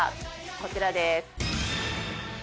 こちらです。